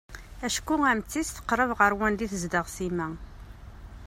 Acku Ɛemti-s teqreb ɣer wanda i tezdeɣ Sima.